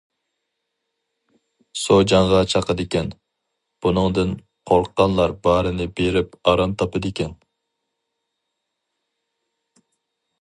سوجاڭغا چاقىدىكەن، بۇنىڭدىن قورققانلار بارىنى بېرىپ ئارام تاپىدىكەن.